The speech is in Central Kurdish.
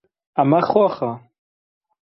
ئەمە خۆخە.